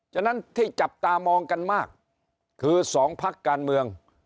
ฉะนั้นที่จับตามองกันมากคือ๒พักการเมือง